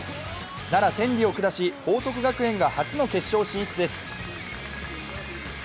奈良・天理を下し、報徳学園が初の決勝進出です。